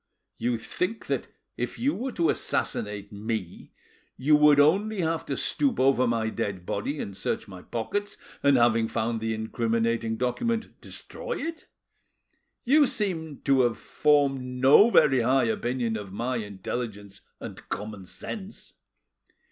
you think that if you were to assassinate me you would only have to stoop over my dead body and search my pockets, and, having found the incriminating document, destroy it. You seem to have formed no very high opinion of my intelligence and common sense.